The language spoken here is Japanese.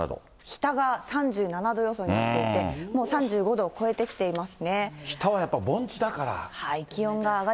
日田が３７度予想になっていて、もう３５度を超えてきていま日田はやっぱり盆地だから。